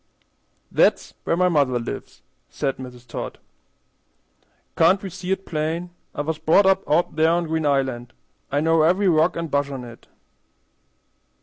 "That's where mother lives," said Mrs. Todd. "Can't we see it plain? I was brought up out there on Green Island. I know every rock an' bush on it."